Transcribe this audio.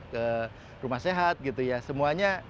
ke rumah sehat gitu ya semuanya